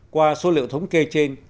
qua số liệu thống kê trên